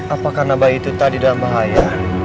apa karena bayi itu tadi dalam bahaya